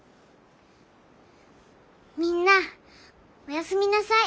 みんなおやすみなさい。